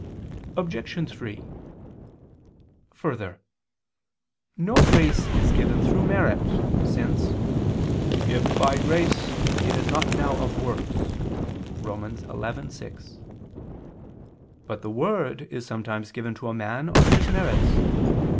Obj. 3: Further, no grace is given through merit, since "if by grace, it is not now of works" (Rom. 11:6). But the word is sometimes given to a man on his merits.